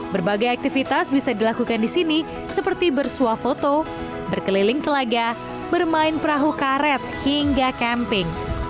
berbagai aktivitas bisa dilakukan di sini seperti bersuah foto berkeliling telaga bermain perahu karet hingga camping